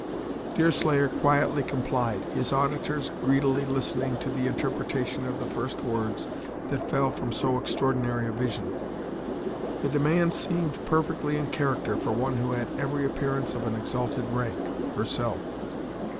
Deerslayer quietly complied, his auditors greedily listening to the interpretation of the first words that fell from so extraordinary a vision. The demand seemed perfectly in character for one who had every appearance of an exalted rank, herself.